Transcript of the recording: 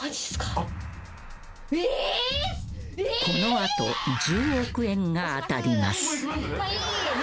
［この後１０億円が当たります］